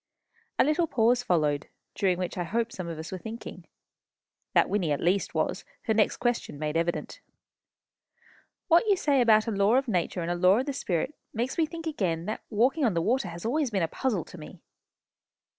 A little pause followed, during which I hope some of us were thinking. That Wynnie, at least, was, her next question made evident. "What you say about a law of nature and a law of the Spirit makes me think again how that walking on the water has always been a puzzle to me."